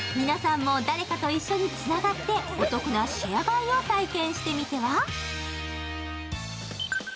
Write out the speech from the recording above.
皆さんも誰かと一緒につながって、シェア買いをしてみては？